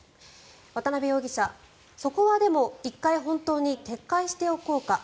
渡邉容疑者、そこはでも１回本当に撤回しておこうか？